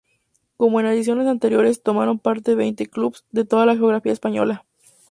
Como en ediciones anteriores, tomaron parte veinte clubes de toda la geografía española.